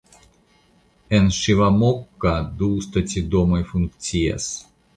En Ŝivamogga du stacidomoj funkcias.